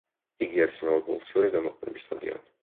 იგი არის მრავალფუნქციური გამოყენების სტადიონი.